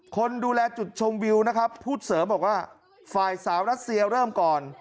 คนดูแลจุดชมวิวนะครับพูดเสริมบอกว่าฝ่ายสาวรัสเซียเริ่มก่อน